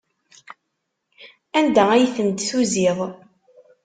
Anda ay tent-tuziḍ?